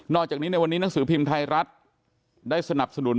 จากนี้ในวันนี้หนังสือพิมพ์ไทยรัฐได้สนับสนุน